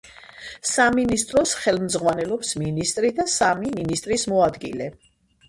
სამინისტროს ხელმძღვანელობს მინისტრი და სამი მინისტრის მოადგილე.